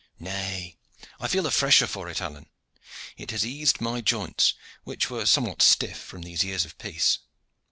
"Nay; I feel the fresher for it, Alleyne. It has eased my joints, which were somewhat stiff from these years of peace.